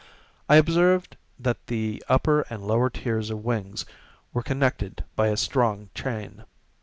I observed that the upper and lower tiers of wings were connected by a strong chain.